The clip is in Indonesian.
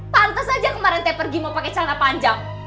pantes aja kemarin teh pergi mau pake celana panjang